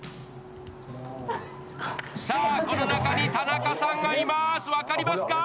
さあ、この中に田中さんがいます。